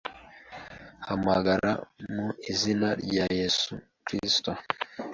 Hamagara mu izina rya Yesu Kristo